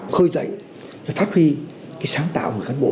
khơi dậy phát huy cái sáng tạo của người cán bộ